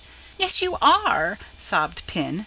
"Yes, you are," sobbed Pin.